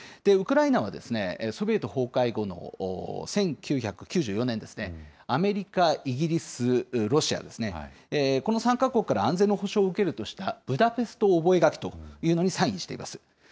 ウクライナはソビエト崩壊後の１９９４年、アメリカ、イギリス、ロシアですね、この３か国から安全の保障を受けるとしたブダペスト覚書というものにサインしています。